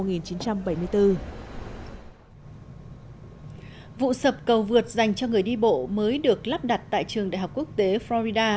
vụ sập cầu vượt dành cho người đi bộ mới được lắp đặt tại trường đại học quốc tế florida